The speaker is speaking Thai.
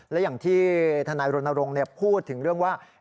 แล้วอย่างที่ธนายโรนโรงพูดถึงเรื่องว่า